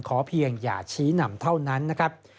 ขอเพียงอย่าชี้นำเท่านั้นนะครับ